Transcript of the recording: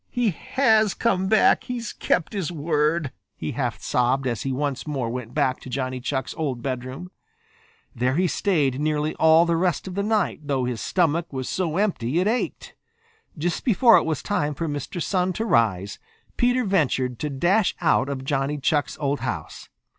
"He has come back. He's kept his word," he half sobbed as he once more went back to Johnny Chuck's old bedroom. There he stayed nearly all the rest of the night, though his stomach was so empty it ached. Just before it was time for Mr. Sun to rise, Peter ventured to dash out of Johnny Chuck's old house.